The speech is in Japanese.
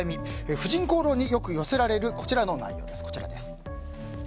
「婦人公論」によく寄せられるこちらの内容です。